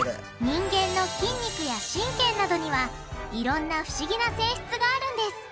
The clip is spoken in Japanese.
人間の筋肉や神経などにはいろんな不思議な性質があるんです。